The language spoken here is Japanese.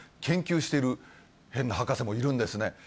研究してる変な博士もいるんですね